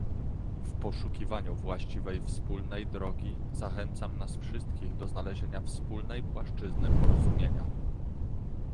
W poszukiwaniu właściwej wspólnej drogi zachęcam nas wszystkich do znalezienia wspólnej płaszczyzny porozumienia